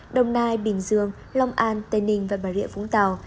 đồng nai bình dương long an tây ninh và bà rịa vũng tàu